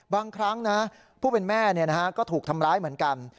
บางครั้งนะผู้เป็นแม่ก็ถูกทำร้ายเหมือนกัน